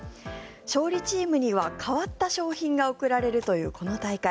勝利チームには変わった賞品が贈られるというこの大会。